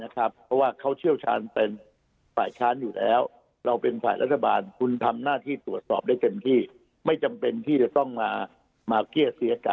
แต่ว่าเราไม่ได้ได้บอกว่าเราไม่ใช่ศัตรู